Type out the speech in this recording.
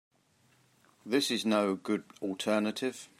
This no good alternative.